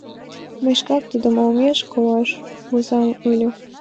Мый шкак Тудын олмеш колаш возам ыле.